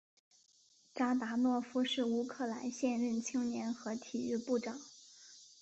扎达诺夫是乌克兰现任青年和体育部长。